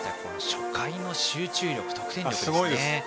初回の集中力、得点力ですね。